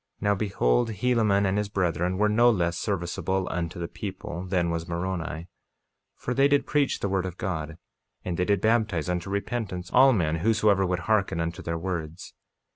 48:19 Now behold, Helaman and his brethren were no less serviceable unto the people than was Moroni; for they did preach the word of God, and they did baptize unto repentance all men whosoever would hearken unto their words.